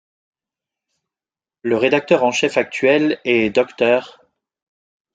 Le rédacteur en chef actuel est Dr.